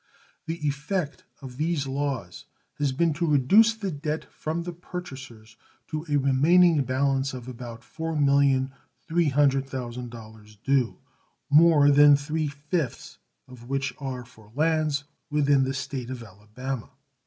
The effect of these laws has been to reduce the debt from the purchasers to a remaining balance of about $4,300,000 due, more than three fifths of which are for lands within the State of Alabama.